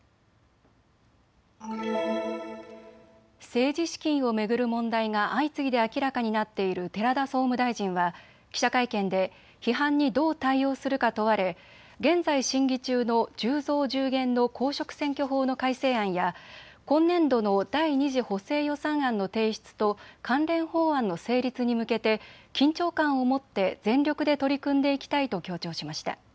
政治資金を巡る問題が相次いで明らかになっている寺田総務大臣は記者会見で批判にどう対応するか問われ現在、審議中の１０増１０減の公職選挙法の改正案や今年度の第２次補正予算案の提出と関連法案の成立に向けて緊張感を持って全力で取り組んでいきたいと強調しました。